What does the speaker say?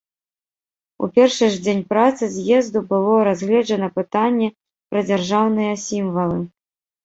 У першы ж дзень працы з'езду было разгледжана пытанне пра дзяржаўныя сімвалы.